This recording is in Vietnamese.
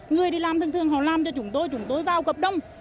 người đi làm thường thường họ làm cho chúng tôi chúng tôi vào cập đông